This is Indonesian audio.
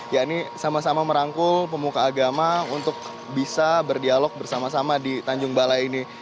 ya ini sama sama merangkul pemuka agama untuk bisa berdialog bersama sama di tanjung balai ini